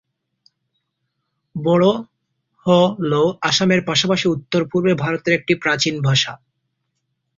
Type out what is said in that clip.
বড়ো হ'ল অসমের পাশাপাশি উত্তর-পূর্ব ভারতের একটি প্রাচীন ভাষা।